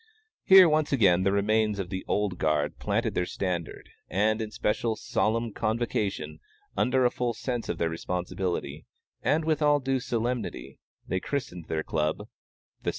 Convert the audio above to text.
Here, once again, the remains of the "old guard" planted their standard, and in special, solemn convocation, under a full sense of their responsibility, and with all due solemnity, they christened their Club THE ST.